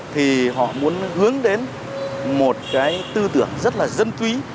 thì họ muốn hướng đến một cái tư tưởng rất là dân túy